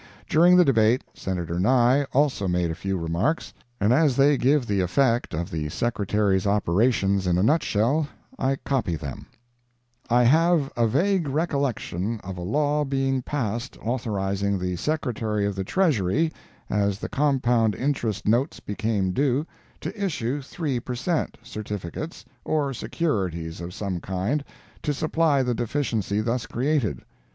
During the debate Senator Nye also made a few remarks, and as they give the effect of the Secretary's operations in a nutshell, I copy them: I have a vague recollection of a law being passed authorizing the Secretary of the Treasury, as the compound interest notes became due, to issue three per cent. certificates, or securities of some kind, to supply the deficiency thus created.